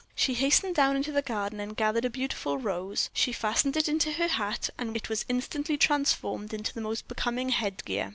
She hastened down into the garden and gathered a beautiful rose; she fastened it into her hat, and it was instantly transformed into the most becoming head gear.